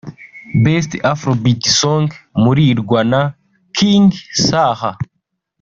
Best Afrobeat Song – Mulirwana – King Saha